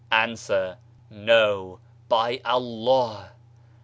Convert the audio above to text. Answer: No, by Allah."